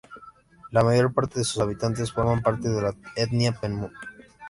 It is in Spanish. La mayor parte de sus habitantes forman parte de la etnia pemón.